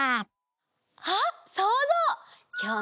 あっそうぞう！